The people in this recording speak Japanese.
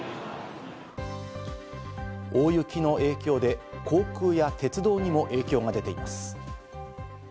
大雪の影響で航空や鉄道にも影響が出ています。